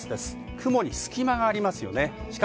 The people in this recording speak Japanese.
雲に隙間があります。